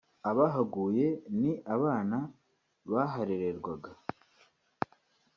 Abahaguye ni abana baharererwaga